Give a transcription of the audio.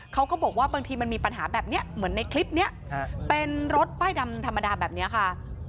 เขาก็บอกว่าบางทีมันมีปัญหาแบบนี้เหมือนในคลิปนี้เป็นรถป้ายดำธรรมดาแบบนี้ค่ะ